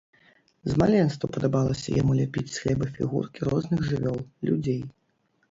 З маленства падабалася яму ляпіць з хлеба фігуркі розных жывёл, людзей.